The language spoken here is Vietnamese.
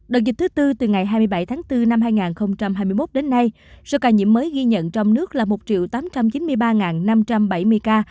đợt dịch thứ tư từ ngày hai mươi bảy tháng bốn năm hai nghìn hai mươi một đến nay số ca nhiễm mới ghi nhận trong nước là một tám trăm chín mươi ba năm trăm bảy mươi ca